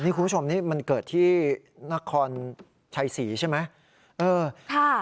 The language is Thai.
นี่คุณผู้ชมนี่มันเกิดที่นครชัยศรีใช่ไหม